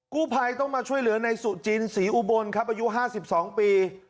กู้ภัยต้องมาช่วยเหลือในสุจินศรีอุบลครับอายุ๕๒ปี